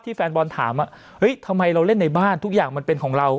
แฟนบอลถามเฮ้ยทำไมเราเล่นในบ้านทุกอย่างมันเป็นของเรา